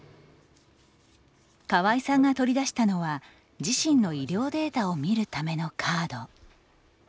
川井さんが取り出したのは自身の医療データを見るためのカード。